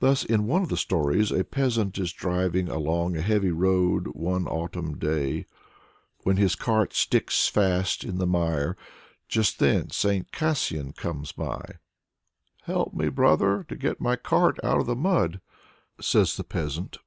Thus in one of the stories a peasant is driving along a heavy road one autumn day, when his cart sticks fast in the mire. Just then St. Kasian comes by. "Help me, brother, to get my cart out of the mud!" says the peasant.